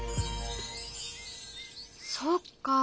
そっか。